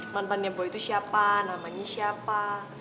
mantannya boy itu siapa namanya siapa